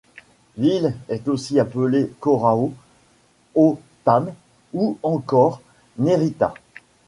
L'île est aussi appelée Corrao, Hotham ou encore Nerita.